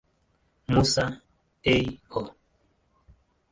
Musa, A. O.